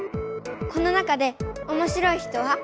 この中でおもしろい人は？